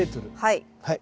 はい。